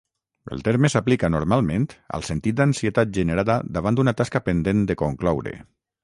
El terme s'aplica normalment al sentit d'ansietat generada davant d'una tasca pendent de concloure.